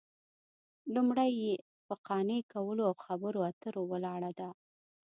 لومړۍ یې په قانع کولو او خبرو اترو ولاړه ده